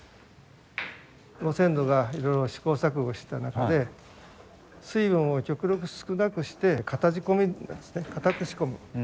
ご先祖がいろいろ試行錯誤した中で水分を極力少なくして固仕込みなんですね固く仕込む。